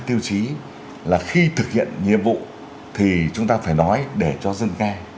tiêu chí là khi thực hiện nhiệm vụ thì chúng ta phải nói để cho dân nghe